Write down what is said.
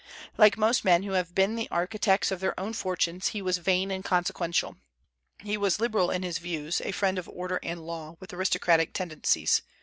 Like most men who have been the architects of their own fortunes, he was vain and consequential. He was liberal in his views, a friend of order and law, with aristocratic tendencies.